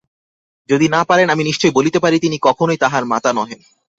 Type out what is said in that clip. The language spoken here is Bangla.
যদি না পারেন আমি নিশ্চই বলিতে পারি, তিনি কখনই তাহার মাতা নহেন।